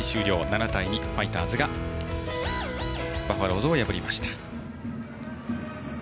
７対２、ファイターズがバファローズを破りました。